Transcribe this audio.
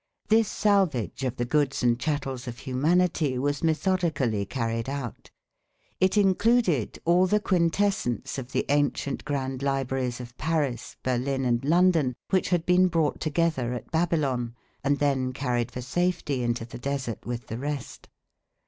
This salvage of the goods and chattels of humanity was methodically carried out. It included all the quintessence of the ancient grand libraries of Paris, Berlin, and London, which had been brought together at Babylon, and then carried for safety into the desert with the rest.